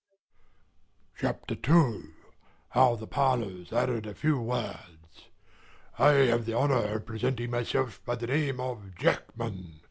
CHAPTER II HOW THE PARLOURS ADDED A FEW WORDS I have the honour of presenting myself by the name of Jackman.